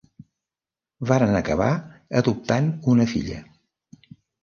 Varen acabar adoptant una filla.